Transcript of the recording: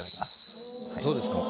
そうですか。